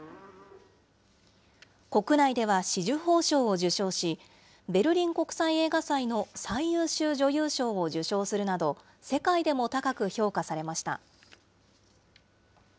国内では紫綬褒章を受章し、ベルリン国際映画祭の最優秀女優賞を受賞するなど、世界でも高く評価されました。